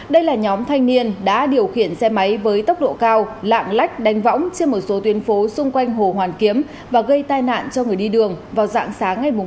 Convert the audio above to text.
đây là nhóm thanh niên đã điều khiển xe máy với tốc độ cao lạng lách đánh võng trên một số tuyến phố xung quanh hồ hoàn kiếm và gây tai nạn cho người đi đường vào dạng sáng ngày